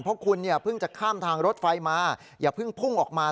เพราะคุณเนี่ยเพิ่งจะข้ามทางรถไฟมาอย่าเพิ่งพุ่งออกมา